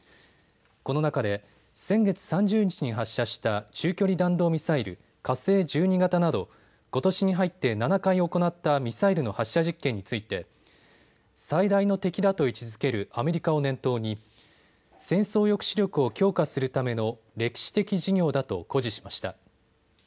この中で先月３０日に発射した中距離弾道ミサイル、火星１２型などことしに入って７回行ったミサイルの発射実験について最大の敵だと位置づけるアメリカを念頭に戦争抑止力を強化するための歴史的事業だと誇示しました。